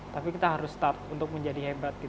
tapi kita harus start untuk menjadi hebat